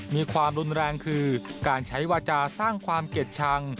มีความรุนแรงคือการใช้วาจาสร้างความเกลียดชัง